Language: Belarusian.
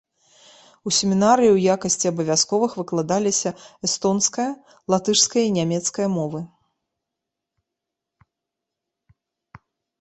У семінарыі ў якасці абавязковых выкладаліся эстонская, латышская і нямецкая мовы.